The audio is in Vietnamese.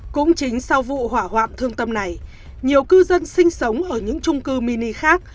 cũng chính sau vụ hỏa hoạn thương tâm này nhiều cư dân sinh sống ở những trung cư mini khác